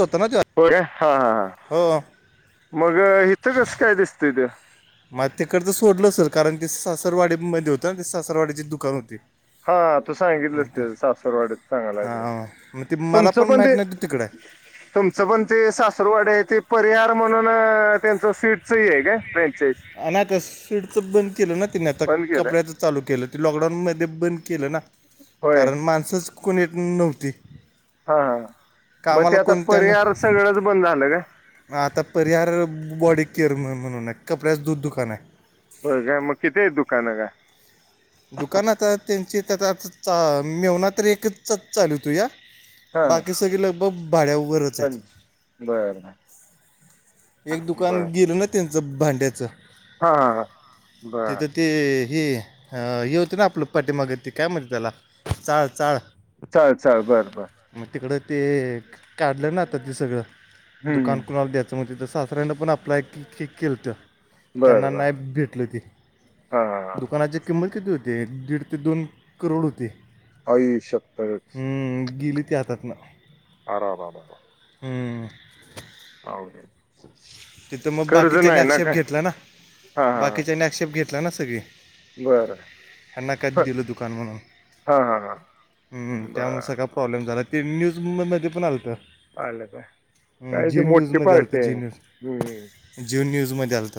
होतो ना तो.... हो हा हा हो मग इथं कस काय दिसतय ते.... मग तेकडचं सोडलं सर कारण ते सासरवाडी मध्ये होतं ना ते सासरवाडीची दुकान होती.. हा तू सांगितलंच ते सासरवाडीत सांगायला हां मग ते मला तुमचं पण ते.. माहीत नाही तिकडं आहे तुमचं पण ते सासरवाडी आहे ते परिहार म्हणून त्यांच स्वीटच ह आहे का फ्रेंचस.. नाका स्वीट तर बंद केलं ना तिने आता बंद केलंय कपड्यात.. चालू केलं त लॉकडाऊनमध्ये बंद केलं ना होय कारण माणसंच कोणी नव्हती.. हा ह मग ते कामाला आता परिहर कोणत्यानं सगळंच बंद झालं का? आता परिहार बॉडी केअर म्हणून आहे कपड्याचं दु दुकान आहे.. ब का मग किती आहे दुकान काय.. दुकान आता त्यांचे त्या आ मेहुंना तर एकच चालूतो या.. हा बाकी हा सगळी लगभग भाड्या उरच आहेत.. बंद. बर एक बर दुकान गेलं ना त्यांचं भांड्याचं... हा बर.. तिथं ते हे हे होतं ना आपलं पाटीमागे ते काय म्हणजते त्याला चाळ चाळ... ल ल बरं... मग तिकडं ते काढलं ना आता ते सगळं... हम्म दुकान कुणाला द्यायचं म्हणते तर सासऱ्यानं पण अप्लाय केलं तर.. बर त्यांना बर नाही भेटलं ते हा हा हा. दूकानाचे... किंमत किती होते दीड ते दोन करोड होती... आई शपथच हम्म, गेली ती हातातनं आरा आरा.... हमम.... ह.... तिथं मग बाकीच्यानी आक्षेप काय घेतला ना हा हा हा बाकीच्यानी आक्षेप घेतला ना सगळी... बरं ह्यांना का दिलं दुकान म्हणून हा हा हा हमम त्यामुळे बरं सगळा... प्रॉब्लेम झाला ते न्यूज पण आत आलं काय काय ती जे न्यूज मोठी म आलत... पार्टी आहे झी हम्म. न्यूमध्ये न्यूजमध्ये आलत.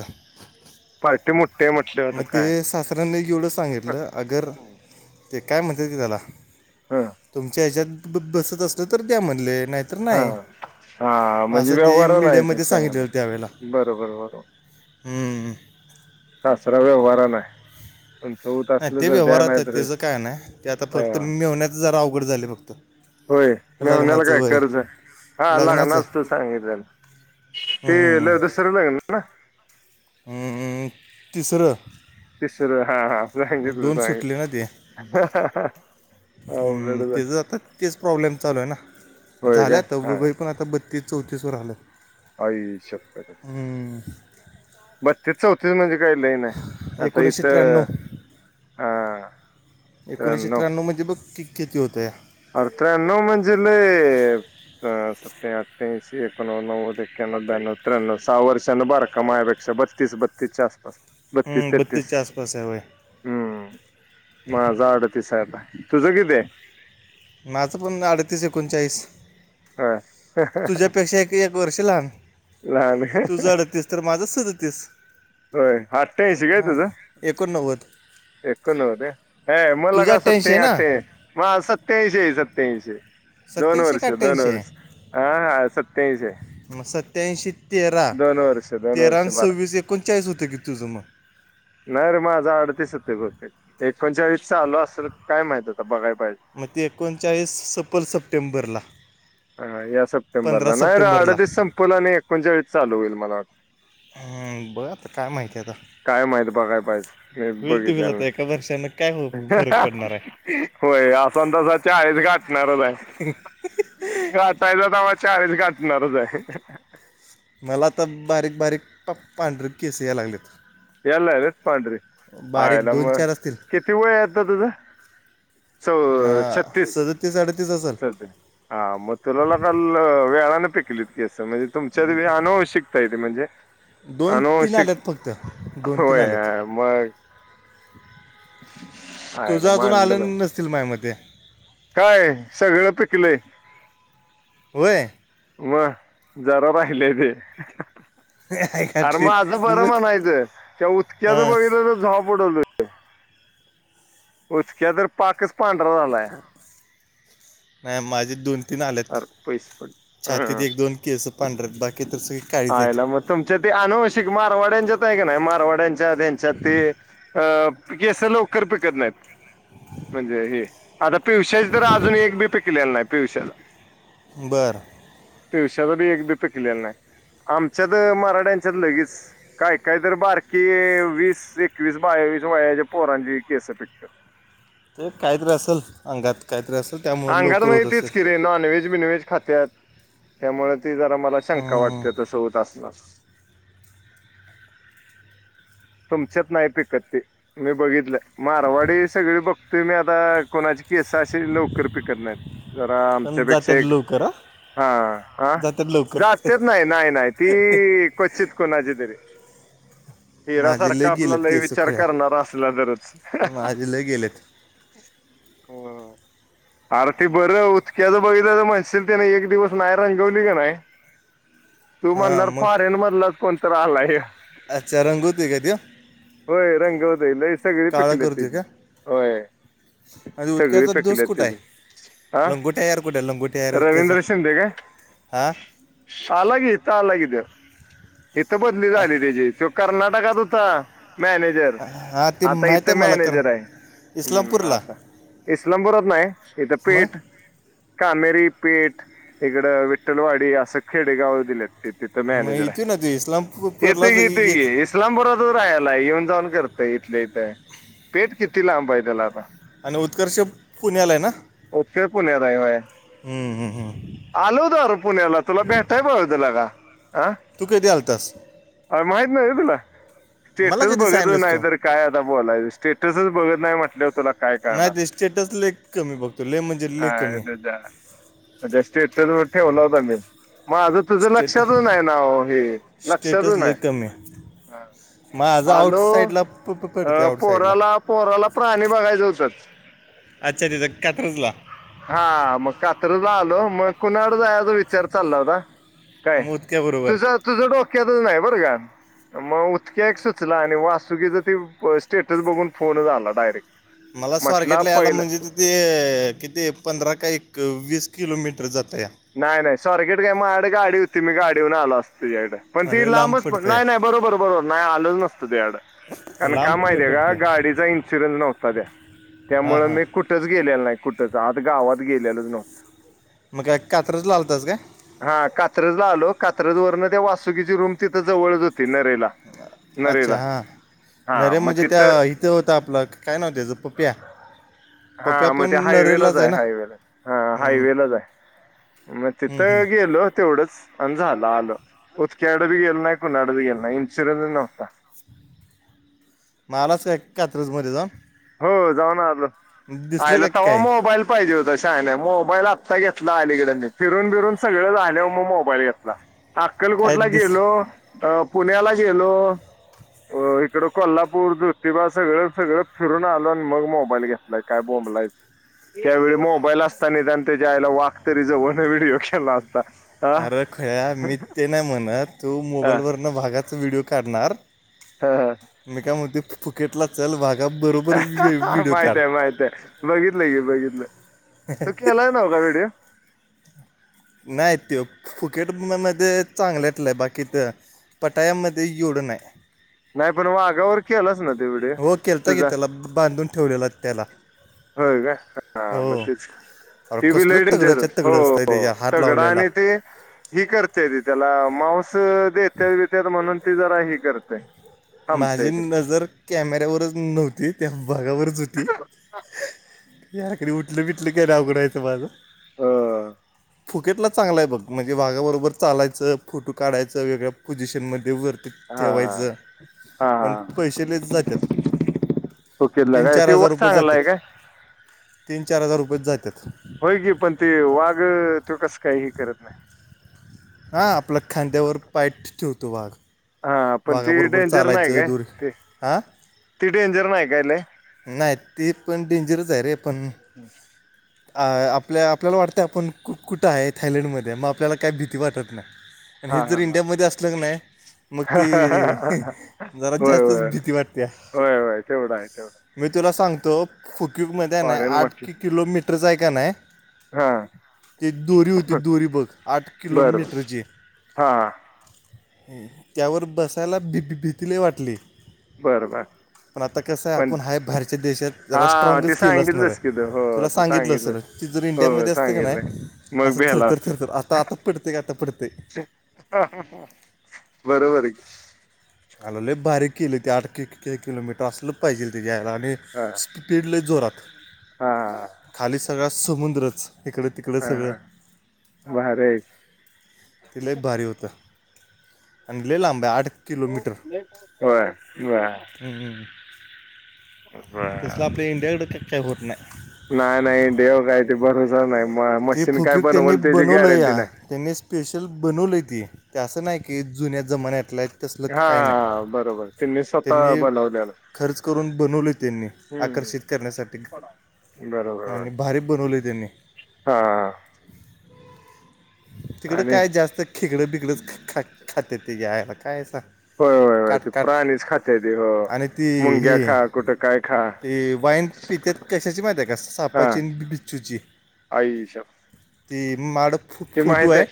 पार्टी मोठी आहे म्हटल्यावर आता मग ते काय सासऱांनी एवढं सांगितलं अगर. ते काय म्हणते की त्याला हा तुमच्या ह्याच्यात बसत असलं तर द्या म्हणले नाही... तर हा नाही हा म्हणजे असं ते व्यवहार नाही ते मी... चांगलं सागितलं त्यावेलिल्ला.... बरोबर बरोबर ह सराव व्यवहराने आहे..... पण चौदा नाही असलं ते तर व्यवहार द्या... नाही आता तर... त्याचं काय नाही ते आता होय फक्त मिळवण्याचं जरा अवघड झाले फक्त मी मेहुण्याला लग्नाचं काय वय कर्ज हा लग्नाचं लग्नाच तर सांगितलं... हम्म. ते दुसर लग्न ना... हम्म तिसरं... तिसर हा हा जाय दिलं दोन जाय... सुटले ना ते हम्म तेचं आता तेच प्रॉब्लेम चालू आहे ना होय झालंय काय आता हा वय पण आता बत्तीस चौतीसवर आलं आई शप्पत हम्म, ब ति चौतीस म्हणजे काय लई नाही आहे आता एकोणीसशे इथ त्र्याण्णव अ एकणीशे त्र्यानव. म्हजें बघ की किती होतया आर त्र्यानव म्हजे लय अठऐंशी एकोव नव्व ए एक्याणव्द्याण्व त्र्या्व सहा वर्षान बार कमा अपेक्षा बत्तीस बत्तीस आसपास बत्तीस हम्म, तेतीस बत्तीसच्या आसपास आहे वय हम्म माझ आडतीस आहे आता तुझ किती ये? माझं पण अडतीस एकोणचाळीस होय तुझ्यापेक्षा एक वर्ष लहान लहान आहे. तुज अडतीस. तर माझंच सदतीस. होय आठायेंशी काय हां तझं? एकोणनव्वद एकोणवद ये हे मग तुझं लग सत अठ्ठ्याऐंशी ते आहे ना आठे म सत्याऐंशी सत्याऐंशी दोन सत्याऐंशी का वर्ष दोन अठ्ठ्याऐंशी वर्ष आहे हा हा सत्यायेंशी मग सत्त्याऐंशी तेरा दोन तेरा वर्ष आणि बारा सव्वीस एकोणचाळीस होतगीत तुझं मग नाही रे माझा आडतीस च बहुतेक. एकोणच्यालीस चालू असेल काय माहित होता बघाय पाहिजे. मग ते एकोणचाळीस सप्पल सप्टेंबरला. हा या पंधरा सप्टेंबरला नाही र सप्टेंबरला अडतीस संपल आणि एकोणच्या वेळेस चालू होईल मला वाटतं. बघ आता काय माहिती आता. काय माहित बगाय पाहिजे होईल ती बघितल् होईल आता नाही. एका वर्षानं काय हो फरक पडणार आहे होय असंतासा चाळीस गाठणारच आहे ब्र गाठायच तवा चाळीस गाठणारच आहे हह मला आता बारीक बारीक प पांढर केस या लागलेत. यायला लागले पांढरे बारीक आायला दोन म चार असतील किती वय आता तुझ? सो अं, छत्तीस सदतीस अडतीस असेल स हा मग तुला काल वेळाने पिकलीत की केस म्हणजे तुमच्यात आनुवंशिकता म्हणजे दोन तीन आनुवंशिक. [inaudible] होय मग. तुझ आयला अजून मानलं बा. आलं नसतील माया मते काय सगळं पिकलंय होय मग जरा राहिलंय ते [inaudible] अरे माज मी बरं मग म्हणायचं त्या उदक्याचं हां बघितलं तर झोप उडवलं उचक्या तर पाकच् पांढरा झालाय. नाही माझे दोन तीन आल्यात अरे पैसे पडले छातीत ह एक दोन केसं पांढरत बाकी तर सगळी काळीच आहेत. आयला मग तुमच्या ते अनावश्यक मारवाड्यांच्यात आहे का नाही मारवाड्यांच्या त्यांच्यात ते अ केस लवकर पिकत नाहीत. म्हणजे हे आता पिवश्याचे तर अजून एक बी पेकलेला नाही पिवश्याचा बरं पिवशाच एक बी पिकेल नाही आमच्यात मराठ्यांच्यात लगेच काय कायत बारकी वीस एकवीस बावीस वयाच्या पोरांची केस पिकतात. ते काहीतरी असेल अंगात काहीतरी असेल त्यामुळे अंगात लवकर होत असेल माहितीच कि र नॉन व्हेज ज खात त्यामुळे ते जरा मला शंका हम्म. वाटते त सोत तुमच्यात नाही पिकत ते मी बघितलं मारवाडी सगळी बघतोय मी आता कोणाची किस असे लोक कृपी कर नाही जरा पण आमच्यापेक्षा जात्यात एक लवकर हा हा हा जात्यात लवकर जात तेच नाही नाही नाही ती क्वचित कोणाची तरी माझे हिरा्यासारखा आपला गेलेत लय केस विचार खळ्या करणार असला तररच माझे लय गेलेत हो आरती बरं उदक्याचं बघितलं तर म्हणश त्याने एक दिवस नाही रंगवली का नाही तू हां म्हणणारर मग फारेन मधूनच कोणीतरी आलय अच्छा रंगवतोय का ते होय रंग होतय लयच सगळी काळं पकल्यात ते करतोय का होय आणि सगळी उदक्याचा दोष पकल्यात कुठं त्या आहे हह लंगोट्या यार कुठे लंगोट्या यार उदक्याचा रवींद्र शिंदे हां का आला की हित आला की ग हित बदली झाली त्याची तो कर्नाटकात होता मॅनेज हां ते आता माहीत इथे आहे मला कारण मॅनेजर आहे हम् इस्लामपूरला आता इस्लामपुरात नाही इथं पेठ मग कामेरी पेठ इकडं विठ्ठलवाडी असं खेडेगाव दिलेत तेि मग मॅनेजर आहे येतोय ना तू हे इस्लामपूरलाच तर इथं की येत इस्लामबुरबादवर राहायला येऊन जाऊन करतय इथले इथय पेठ किती लांब आहे त्याला आता आणि उत्कर्ष पुण्याला आहे ना उत्कर्ष पुण्या्या तय होय हम्म हम हम आल हो दर पुण्याला तुला भेटाय बा तला का ह लतस माहित नव्हतं का तुला मला स्टेटस कधी बघतच सांगितलंस नाही तू तर काय आता बोलायच स्टेटसच बघत नाही म्हटलंवर तुला काय करणार चेटस ले कमी बघतो ले म्हणज ह स्टेटस वर ठेवला होता मी माझंच तुझं स्टेट लक्षातून आहे ना हे स्टेटस लक्षातून लेख कमी आहे माझा आउट हॅलो साईडला अ पडते आउट साईडला पोराला पोराला प्राणी बघायचं होत अच्छा तिथं केटर्सला हा मग कात्रज आलो मग कुणाकडं जायचा विचार चालला होता काय मोदक्याबरोबर तुझं तुझं डोक्यातच नाही बरं का मग उतक्या एक सुचला आणि वासुकीच त स्टेटस बघून फोन झाला डायरेक्ट मला म्हटला स्वर्गेटला यायला पहिला म्हणजे ते कती पंधरा का एक वीस किलोमीटर जात या नाही नाही सॉरकेट काय माझडडे गाडी होती मी गाडीहऊन आल असतो तझड पण ती अरे लांब लांबच पडतं नाही नाही या बरोबर बरोबर नाही आलंच नसतं त्याडं कारण का लांब माहिती आहे का पडते गाडीचा इन्शुरन्स नव्हता त्या हां त्यामुळे हां मी कुठ कुठच गेलेलं नाही कुठंचं आता गावात गेलेलंचव मग का कात्रच लालतच का हा कात्रज ला आलो कात्रज वरन त्या वास्ुकीची रूम तिथं जवळच होती नरेला नरेला अच्छा हा हा नाहीरे मग म्हणजे त्या तिथं ते होत आपलं काय नव्हत ज प्प्या हा मग त्या हायवेलाच आहे हायवेला हा हम्म हायवेलाच आहे म हम्म हम्म इथग यलो तेवढंच आणि झालं आलं उतक्याडडे बी गेल नाही कुणाड बी गेल नाही इन्शुरन्स नव्हता मलाच एक कात्रजमध्ये जाऊन. हो जाऊन आलं दिसलं आईला का तवा काय मोबाईल. पाहिजे होता शाला मोबाईल आता घेतला अलीकडनी फिरून फिरून सगळे झाले मग मोबाईल घेतला. अक्कलकोट काय ला दिस गेलो. अ पुण्याला गेलो इकडं कोल्हापूर ज्योतिबा सगळं सगळ. फिरून आलो आणि मग मोबाईल घेतलाय काय बोंबलायचं. त्यावेळी मोबाईल असताना त्या त्याच्या आईला वाक तरी जवन व्हिडिओ केला असता. हा अरे खळ्या मी ते नाही म्हणत तू हा, मोबाईल वरन भागाचा व्हिडिओ काढणार. हा. मी काय मते फुकेटला चल वाघा बरोबर व्हिडिओ काढ माहितय बघितलं बघितलं त केलाय नव का व्हिडिओ. नाही त फुकेट मध्ये चांगल्यातलंय बाकी तर. पटायामध्ये जोडण आहे. नाही पण म आगावर केलंच ना तेवढ हो केलता की तुझा. त्याला बांधून ठेवलेला त्याला हो का हा म हो अरे टि वि कसलं लईड तगडंच्या तगडं हो. असतंय त्याच्या हात तर गडा लावलेला आणि ते. ही करतेय त त्याला मांस देत बितत म्हणून ती जरा ही करतेय. माझी नजर कॅमेऱ्यावरच नव्हती. त्या भागावरच होती याकडे उठलं बिटलं कायला अगडयचं माझं. ह फुकटला चांगला आहे बघ म्हणजे वाघाबरोबर चालायचं फोटो काढायचं वेगळ्या पोझिशनमध्ये वर. तर ते हा हा वयचं. पण हा पैशालेच जातात फुकीतला तीन काय चार ते हजार वट रुपये चांगला आहे जातात. काय? तीन चार हजार रुपयेच जातात. ी पण ते वाघ त कस काय ह करत नाही हा आपलं खांद्यावर पायट ठेवतो वाघ हा पण ती वाघाबरोबर डेंजर नाही चालायचं काय दूर ते हां ती डेंजर नाही कायले नाही ते पण डेंजरच आहे रे पण हम् आपल्या आपल्याला वाटतंय आपण कु कुठं आहे थायलंड मध्ये मग आपल्याला काय भीती वाटत नाही. आणि हा हे जर हा हा इंडियामध्ये असलं नाही मग ते. जराात होय जास्तच होय भीती वाटते. होय होय तेवढं आहे तेवढ. मी तुला सांगतो खुक्यकमध्ये नाही फॉरेन आठ मच्छी की किलोमीटरच आहे का नाही. हा ते दोरी होती दोरी बघ आठ बरं किलोमीटरची. हा हां. त्यावर बसायला भी भीतीले वाटले बरं बर पण आता कसं आहे आप. पण हाय भहेरच्या देशात हा जरा ते स्ट्रागच केलं असणार सांगितलंस कि आहे तू हो तुला तू सांगितलं असेल. ती जर हो इंडियामध्ये असतं का सांगितलंय नाही मग असं थरतर भेलास थरतर आता आता पडते का आता पडते. बरोबर. आलले बारीक केली ते आठ किलोमीटर असलं पाहिजे तेच्या्यायला आणि. हा स्पीडले जोरात हा थाली सगळ्या समुद्रच इकडे. तिकळ हा सगळ. हा भारी आहे की. तिलाही भारी होतं आणि लिलं आंबा आठ कि. [inaudible] तसलं होय बर बर आपल्या इंडियाकडे काय होट नाही. नाही नाही देव काय ते भरसा नाही म ते मशीन काय फुकीट त्यांनी बनवल त्याची बनवलं गॅरंटी या नाही. त्यांनी स्पेशल बनवलं त ते असं नाही की जुन्या जमान्यातलं. तसलं हा काय नाही बरोबर ती त्यांनी स्वतः बनवलेलं. खर्च करून बनवले त्यांनी आकर्षित हम्म करण्यासाठी. बरोबर आणि भारीक बनवली त्यांनी हा तिकडं आणि काय जास्त खेिकडं बििकडच ख खाते तेेयला काय सांग हो हो ते प्राणीच खातात ते हो आणि ती मुंग्या हे खा कुठे काय खा केश्याची माद्याक हा सापाची आणि बिचूची आई श ती माडं फोटो आहे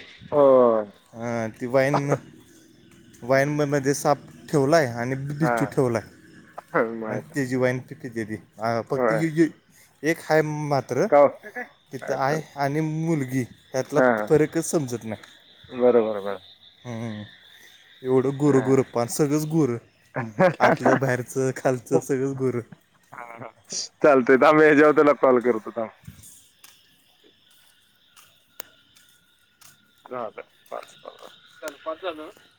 अ ती बाईण वयन म मध्येे सा ठेवला आहे आणि हा बि्चू ठेवलाय हा, आणि माहित आहे. तेचीी वईन पिकजली फक्त होय यज एक हाय मात्र होते तिथं आय आणि मुलगी यातला हा हा. फरकच समजत नाही बरोबर बर हम्म एवढं गुरु हा गुरप्पान सगळंच गुरु आतलं बाहेरचं खालचं सगळंच गुर हा चालत थांब ह जेव त्याला कॉल करतो थांब ह ह पाच पाच